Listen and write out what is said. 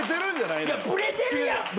いやブレてるやん。